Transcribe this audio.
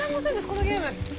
このゲーム。